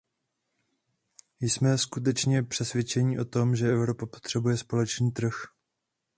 Jsme skutečně přesvědčeni o tom, že Evropa potřebuje společný trh.